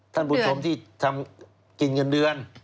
ท่านผู้ชมที่ทำกินเงินเดือน